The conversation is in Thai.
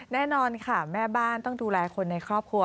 แน่นอนค่ะแม่บ้านต้องดูแลคนในครอบครัว